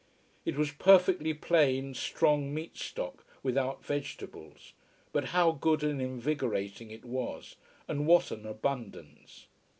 It was perfectly plain, strong meat stock, without vegetables. But how good and invigorating it was, and what an abundance!